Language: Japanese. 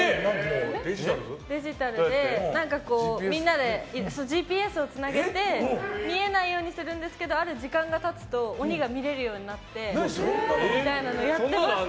デジタルでみんなでＧＰＳをつなげて見えないようにするんですけどある時間が経つと、鬼が見えるようになってというのをやってました。